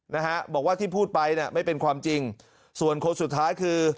นะฮะบอกว่าที่พูดไปน่ะไม่เป็นความจริงส่วนคนสุดท้ายคือ